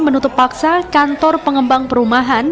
menutup paksa kantor pengembang perumahan